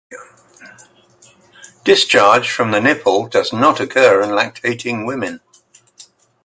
Discharge from the nipple does not occur in lactating women.